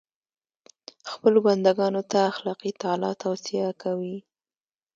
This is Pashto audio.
خپلو بنده ګانو ته اخلاقي تعالي توصیه کوي.